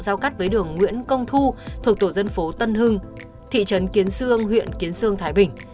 giao cắt với đường nguyễn công thu thuộc tổ dân phố tân hưng thị trấn kiến sương huyện kiến sương thái bình